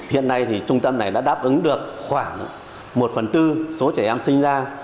hiện nay thì trung tâm này đã đáp ứng được khoảng một phần tư số trẻ em sinh ra